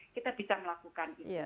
kita bisa melakukan itu